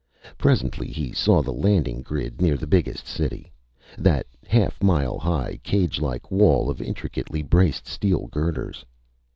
Presently he saw the landing grid near the biggest city that half mile high, cagelike wall of intricately braced steel girders.